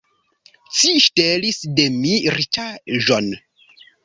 Ci ŝtelis de mi riĉaĵon!